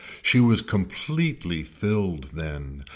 She was completely filled then.